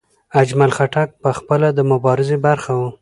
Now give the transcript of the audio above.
اجمل خټک پخپله د مبارزې برخه و.